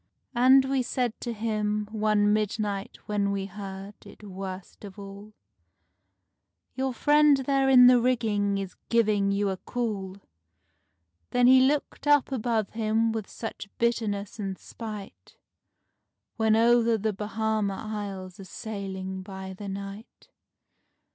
And we said to him one midnight when we heard it worst of all, "Your friend there in the rigging is giving you a call." Then he looked up above him with such bitterness and spite, When over the Bahama Isles a sailing by the night.